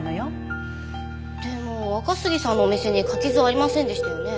でも若杉さんのお店に柿酢はありませんでしたよね。